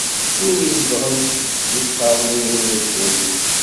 Wid izedɣen di tqerniyin n ddunit.